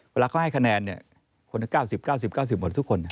เวลาเขาให้คะแนนคนละ๙๐๙๐๙๙๐หมดทุกคน